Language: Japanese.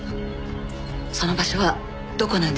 その場所はどこなんですか？